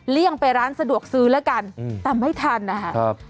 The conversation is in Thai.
เลี่ยงไปร้านสะดวกซื้อแล้วกันอืมตามให้ทันนะคะครับ